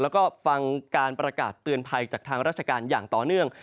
แล้วก็ฟังการประกาศเตือนภัยจากทางราชการอย่างต่อเนื่อง